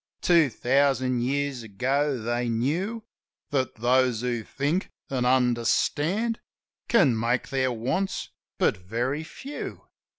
"Two thousand years ago they knew That those who think an' understand Can make their wants but very few.